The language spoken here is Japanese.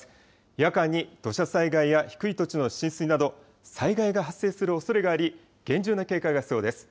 夜間に土砂災害や低い土地の浸水など、災害が発生するおそれがあり、厳重な警戒が必要です。